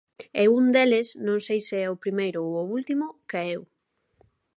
E un deles, non sei se o primeiro ou o último, caeu.